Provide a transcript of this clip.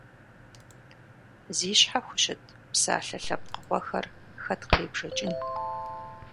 Зи щхьэ хущыт псалъэ лъэпкъыгъуэхэр хэт кърибжэкӏын?